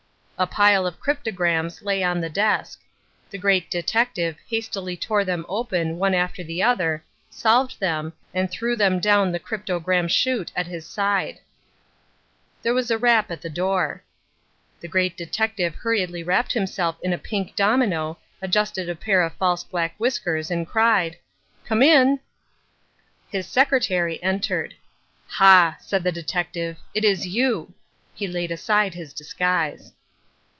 A pile of cryptograms lay on the desk. The Great Detective hastily tore them open one after the other, solved them, and threw them down the cryptogram shute at his side. There was a rap at the door. The Great Detective hurriedly wrapped himself in a pink domino, adjusted a pair of false black whiskers and cried, "Come in." Illustration: "Come in." His secretary entered. "Ha," said the detective, "it is you!" He laid aside his disguise.